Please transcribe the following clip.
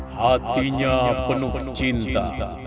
hatinya penuh cinta